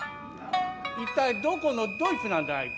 一体どこのどいつなんだい？